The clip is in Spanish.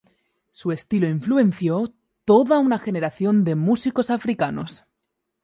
Su estilo influenció a toda una generación de músicos africanos.